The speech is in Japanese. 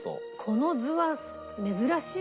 この図は珍しいよね。